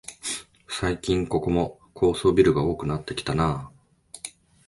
最近ここも高層ビルが多くなってきたなあ